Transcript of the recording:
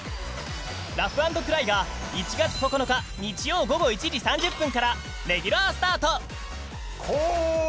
「ラフ＆クライ！」が１月９日日曜午後１時３０分からレギュラースタート！